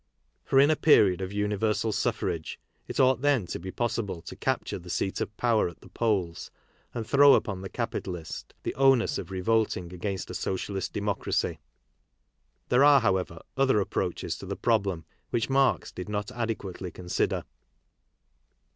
For in a period of universal suffrage, it ought then to be possible to capture the seat of power at the polls, and throw upon the capitalist the'onus of revolting against a socialist demo cracy. There are, however, other approaches to the problem! which Marx did not adequately consider.